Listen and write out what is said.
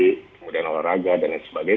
kemudian olahraga dan lain sebagainya